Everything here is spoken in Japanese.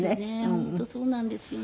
本当そうなんですよね。